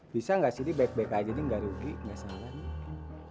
bisa nggak sih d baik baik aja d nggak rugi nggak salah